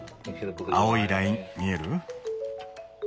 青いライン見える？